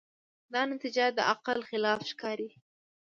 دا نتیجه د عقل خلاف ښکاري.